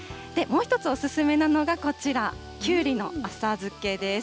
もう一つお勧めなのがこちら、きゅうりの浅漬けです。